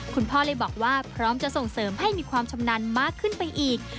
คุณพ่อเลยบอกว่าพร้อมจะส่งเสริมให้มีความชำนาญมากขึ้นไปอีก